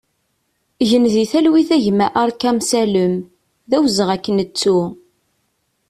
Gen di talwit a gma Arkam Salem, d awezɣi ad k-nettu!